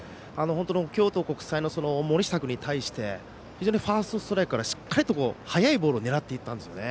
京都国際の森下君に対して非常にファーストストライクから速いボールを狙っていったんですね。